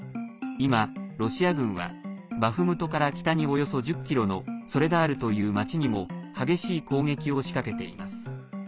今、ロシア軍はバフムトから北におよそ１０ｋｍのソレダールという町にも激しい攻撃を仕掛けています。